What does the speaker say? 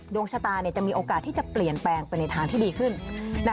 ดวงชะตาจะมีโอกาสที่จะเปลี่ยนแปลงไปในทางที่ดีขึ้น